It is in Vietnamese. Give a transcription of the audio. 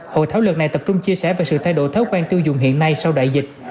hội thảo lần này tập trung chia sẻ về sự thay đổi thói quen tiêu dùng hiện nay sau đại dịch